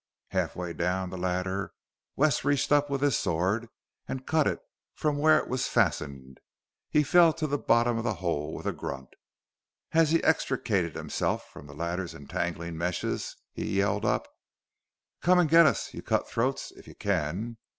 Halfway down the ladder Wes reached up with his sword and cut it from where it was fastened. He fell to the bottom of the hole with a grunt. As he extricated himself from the ladder's entangling meshes be yelled up, "Come and get us, you cutthroats if you can!"